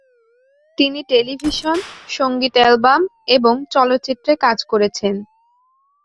তিনি টেলিভিশন, সঙ্গীত অ্যালবাম এবং চলচ্চিত্রে কাজ করেছেন।